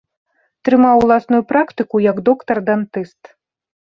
Трымаў уласную практыку як доктар-дантыст.